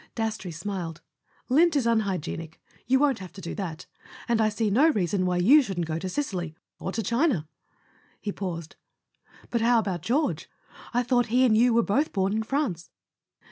Dastrey smiled. "Lint is unhygienic; you won't have to do that. And I see no reason why you shouldn't go to Sicily—or to China." He paused. "But how about George—I thought he and you were both born in France